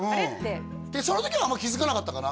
その時はあんま気づかなかったかな